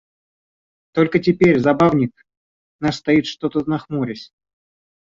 Только теперь забавник наш стоит что-то нахмурясь.